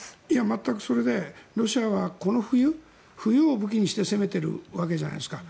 全くそれでロシアはこの冬を武器にして攻めているわけじゃないですか。